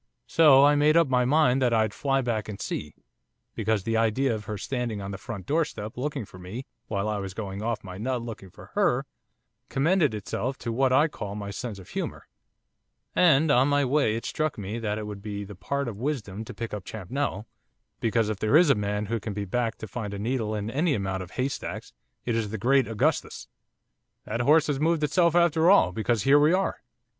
So I made up my mind that I'd fly back and see, because the idea of her standing on the front doorstep looking for me, while I was going off my nut looking for her, commended itself to what I call my sense of humour; and on my way it struck me that it would be the part of wisdom to pick up Champnell, because if there is a man who can be backed to find a needle in any amount of haystacks it is the great Augustus. That horse has moved itself after all, because here we are.